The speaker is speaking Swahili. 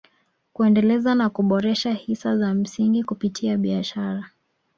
Kuendeleza na kuboresha hisa za msingi kupitia biashara